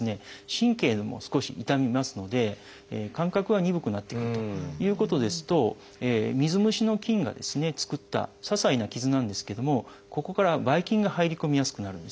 神経のほうも少し傷みますので感覚が鈍くなってくるということですと水虫の菌が作ったささいな傷なんですけどもここからばい菌が入り込みやすくなるんですね。